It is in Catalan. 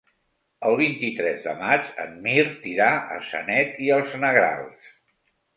El vint-i-tres de maig en Mirt irà a Sanet i els Negrals.